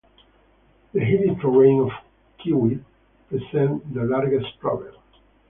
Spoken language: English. The hilly terrain of Kyiv presented the largest problem.